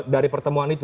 dari pertemuan itu